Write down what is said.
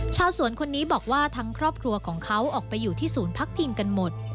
ชาวสวนคนนี้บอกว่าทั้งครอบครัวของเขาออกไปอยู่ที่ศูนย์พักพิงกันหมด